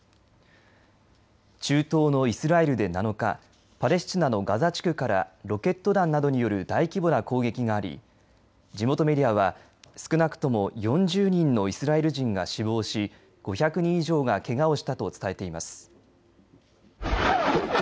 中東のイスラエルで７日パレスチナのガザ地区からロケット弾などによる大規模な攻撃があり地元メディアは少なくとも４０人のイスラエル人が死亡し５００人以上がけがをしたと伝えています。